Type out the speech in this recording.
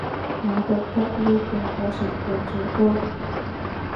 我覺得呢個可信度最高